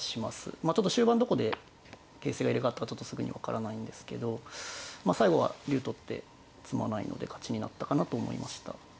まあちょっと終盤どこで形勢が入れ代わったかちょっとすぐに分からないんですけどまあ最後は竜取って詰まないので勝ちになったかなと思いました。